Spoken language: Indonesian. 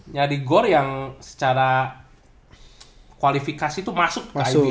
nyari gor yang secara kualifikasi tuh masuk ke ipb gitu